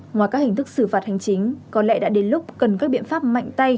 ngoài các hình thức xử phạt hành chính có lẽ đã đến lúc cần các biện pháp mạnh tay